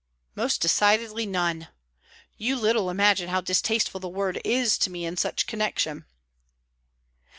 "Most decidedly, none. You little imagine how distasteful the word is to me in such connection."